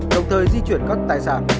đồng thời di chuyển các tài sản